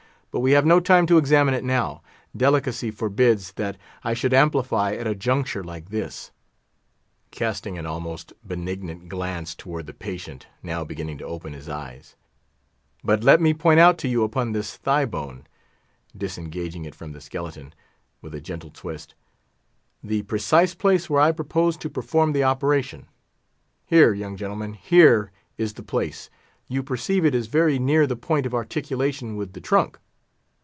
But we have no time to examine it now. Delicacy forbids that I should amplify at a juncture like this"—casting an almost benignant glance toward the patient, now beginning to open his eyes; "but let me point out to you upon this thigh bone"—disengaging it from the skeleton, with a gentle twist—"the precise place where I propose to perform the operation. Here, young gentlemen, here is the place. You perceive it is very near the point of articulation with the trunk."